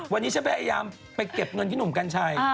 วันนี้ฉันพยายามไปเก็บเงินพี่หนุ่มกัญชัย